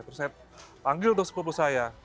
terus saya panggil tuh sepupu saya